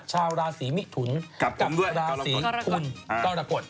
ชาวราศรีมิถุนกับราศรีคุณก้อละกด